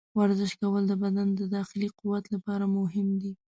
ورزش کول د بدن د داخلي قوت لپاره مهم دي.